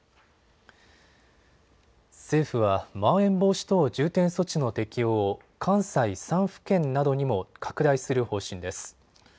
政府はまん延防止等重点措置の適用を関西３府県などにも拡大する方針です。